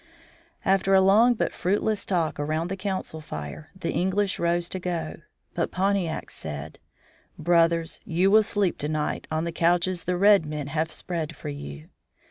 After a long but fruitless talk around the council fire, the English rose to go. But Pontiac said: "Brothers, you will sleep to night on the couches the red men have spread for you."